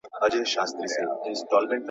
سترګو ژړلي دي ژړلي دي سلګۍ نه لري ,